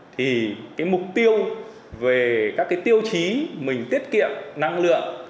thì cái mục tiêu về các cái tiêu chí mình tiết kiệm năng lượng